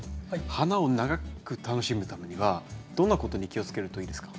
花を長く楽しむためにはどんなことに気をつけるといいですか？